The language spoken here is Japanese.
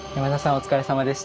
お疲れさまでした。